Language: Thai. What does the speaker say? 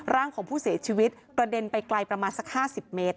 ร่างของผู้เสียชีวิตกระเด็นไปไกลประมาณสัก๕๐เมตร